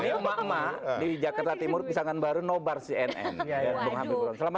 ini emak emak di jakarta timur pisangan baru nobar cnn